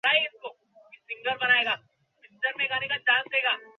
তোমার কাছে ক্রস দেবো না।